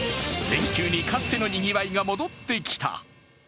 連休にかつてのにぎわいが戻ってきた。